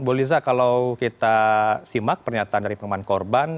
bu liza kalau kita simak pernyataan dari teman korban